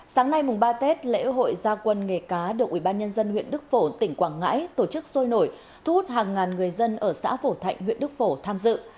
sáng nay mùng ba tết lễ hội gia quân nghề cá được ubnd huyện đức phổ tỉnh quảng ngãi tổ chức sôi nổi thu hút hàng ngàn người dân ở xã phổ thạnh huyện đức phổ tham dự